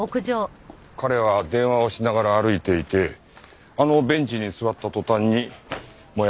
彼は電話をしながら歩いていてあのベンチに座った途端に燃え上がったんだ。